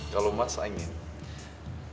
kalau mas ingin